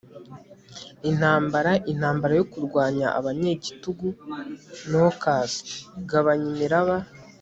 intambara, intambara yo kurwanya abanyagitugu! nochers! gabanya imiraba